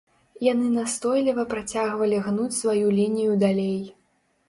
Яны настойліва працягвалі гнуць сваю лінію далей.